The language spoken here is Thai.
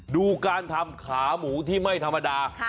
ดูการทำขาหมูที่ไม่ธรรมดา